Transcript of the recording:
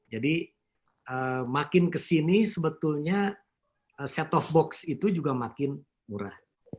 jadi makin kesini sebetulnya set of box itu juga makin murah